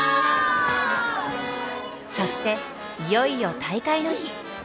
そしていよいよ大会の日。